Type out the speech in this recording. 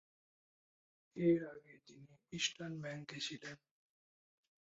এর আগে তিনি ইস্টার্ন ব্যাংকে ছিলেন।